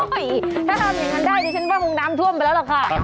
โอ้ยถ้าทำอย่างนั้นได้นี่ฉันว่างงงน้ำท่วมไปแล้วหรอกค่ะ